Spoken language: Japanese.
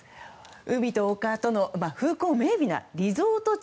海と丘との風光明媚なリゾート地。